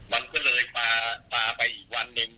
มันก็เลยปลาไปอีกวันหนึ่ง